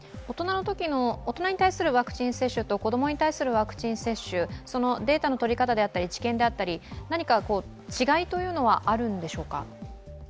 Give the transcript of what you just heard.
大人に対するワクチン接種と子供に対するワクチン接種、データの取り方や治験であったり、何か違いというのはあるんでしょうか？